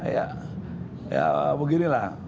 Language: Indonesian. ya ya beginilah